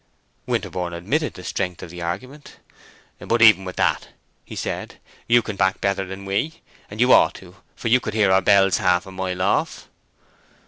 Winterborne admitted the strength of the argument. "But even with that," he said, "you can back better than we. And you ought to, for you could hear our bells half a mile off."